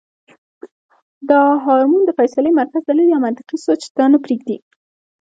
دا هارمون د فېصلې مرکز دليل يا منطقي سوچ ته نۀ پرېږدي -